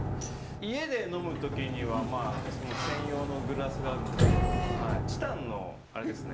家で呑む時にはまあその専用のグラスがあるんですけどチタンのあれですね。